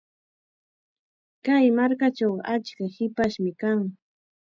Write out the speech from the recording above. Kay markachawqa achka hipashmi kan.